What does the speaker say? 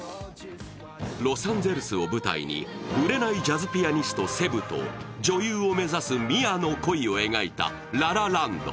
ロサンゼルスを舞台に売れないジャズピアニスト・セブと女優を目指すミアの恋を描いた「ラ・ラ・ランド」。